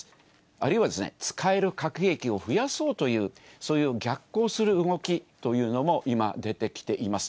あるいは、使える核兵器を増やそうという、そういう逆行する動きというのも、今、出てきています。